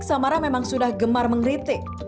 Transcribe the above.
samara memang sudah gemar mengkritik